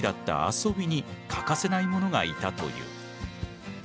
遊びに欠かせないものがいたという。